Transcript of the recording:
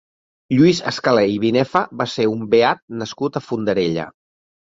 Lluís Escalé i Binefa va ser un beat nascut a Fondarella.